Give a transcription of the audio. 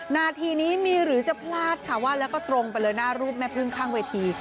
นาทีนี้มีหรือจะพลาดค่ะว่าแล้วก็ตรงไปเลยหน้ารูปแม่พึ่งข้างเวที